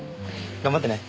頑張ってね。